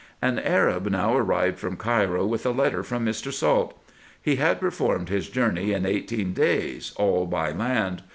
An Arab now arrived from Cairo with a letter from Mr. Salt. He had performed his journey in eighteen days, all by land.